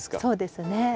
そうですね。